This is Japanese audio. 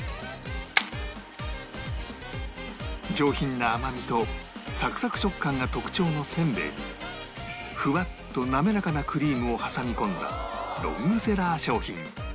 上品な甘みとサクサク食感が特徴の煎餅にふわっと滑らかなクリームを挟み込んだロングセラー商品